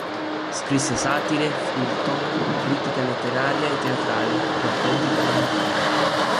Scrisse satire, feuilleton, critica letteraria e teatrale, racconti per bambini.